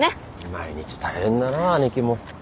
毎日大変だな姉貴も。